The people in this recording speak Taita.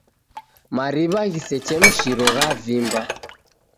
Mariw'a ghisechemshiro ghavimba.